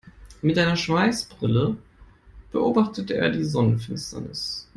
Mit einer Schweißbrille beobachtete er die Sonnenfinsternis.